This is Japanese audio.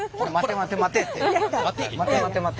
「待て待て待て」。